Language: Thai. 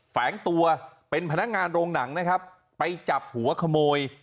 แฝงตัวเป็นพนักงานโรงหนังนะครับไปจับหัวขโมย